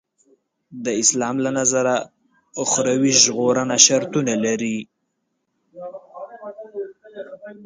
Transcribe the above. د اسلام له نظره اخروي ژغورنه شرطونه لري.